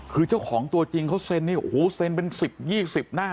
คือเจ้าของตัวจริงเขาเซ็นนี่โอ้โหเซ็นเป็น๑๐๒๐หน้า